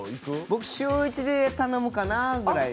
僕週１で頼むかなぐらい。